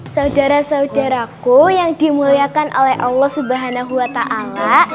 saudara saudaraku yang dimuliakan oleh allah subhanahu wa ta'ala